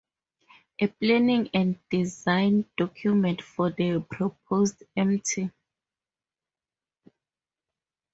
A planning and design document for the proposed Mt.